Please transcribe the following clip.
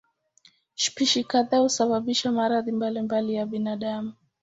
Spishi kadhaa husababisha maradhi mbalimbali ya binadamu.